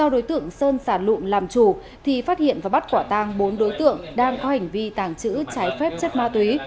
đối tượng sơn sản lụm làm chủ thì phát hiện và bắt quả tang bốn đối tượng đang có hành vi tàng trữ trái phép chất ma túy